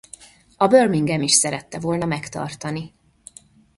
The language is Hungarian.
A Birmingham is szerette volna megtartani.